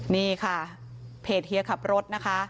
นี่ค่ะเพจเฮียขับรถนะคะ